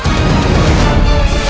ketika kanda menang kanda menang